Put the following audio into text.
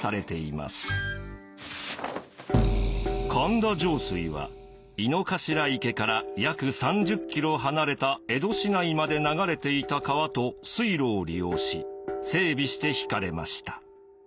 神田上水は井の頭池から約３０キロ離れた江戸市内まで流れていた川と水路を利用し整備して引かれました。